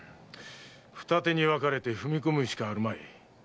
二手に分かれて踏み込むしかあるまい。